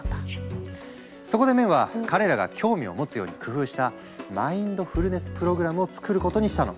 そこでメンは彼らが興味をもつように工夫したマインドフルネス・プログラムを作ることにしたの。